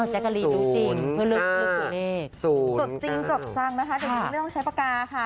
แจ๊กกาลีดูจริงเพื่อลึกตัวเลข๐๕๐๙ตรวจจริงตรวจสั่งนะคะเดี๋ยวน้องใช้ปากกาค่ะ